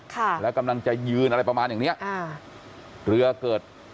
ค่ะแล้วกำลังจะยืนอะไรประมาณอย่างเนี้ยอ่าเรือเกิด